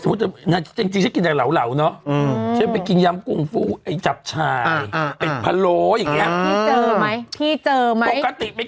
อือเดี๋ยวฉันจะต้องไป